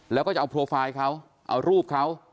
แล้วก็จะเอาโปรไฟล์เขาเอารูปเขา